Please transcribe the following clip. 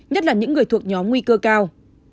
nhất là những người thuộc nhóm nguy cơ cao